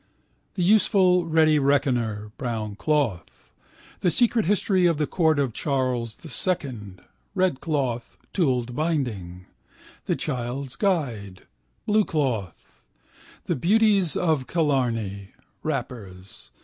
The Useful Ready Reckoner (brown cloth). The Secret History of the Court of Charles II (red cloth, tooled binding). The Child's Guide (blue cloth). The Beauties of Killarney (wrappers).